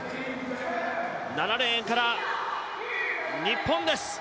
７レーンから日本です。